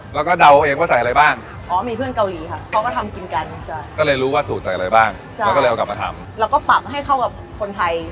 แล้วก็เลยเอากลับมาทำแล้วก็ปรับให้เข้ากับคนไทย